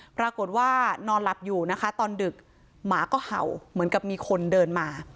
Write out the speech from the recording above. นอนหลับอยู่นะคะตอนดึกหมาก็เห่าเหมือนกับมีคนเดินมา